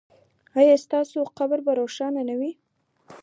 ایا ستاسو قبر به روښانه نه وي؟